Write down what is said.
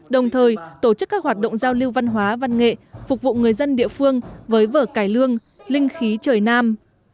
đồng thời tổ chức các hoạt động giao lưu văn hóa văn nghệ phục vụ người dân địa phương với vở cải lương linh khí trời nam